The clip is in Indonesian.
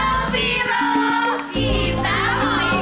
malang viro kita mau ikut ke pesta ya